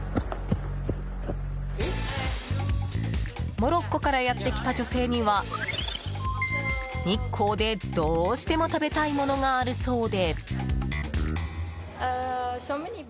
モロッコからやってきた女性には日光でどうしても食べたいものがあるそうで。